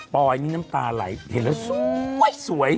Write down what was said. อยนี่น้ำตาไหลเห็นแล้วสวย